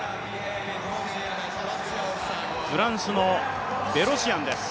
フランスのベロシアンです。